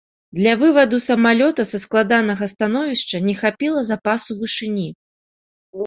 Для вываду самалёта са складанага становішча не хапіла запасу вышыні.